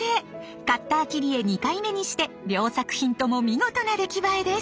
カッター切り絵２回目にして両作品とも見事な出来栄えです。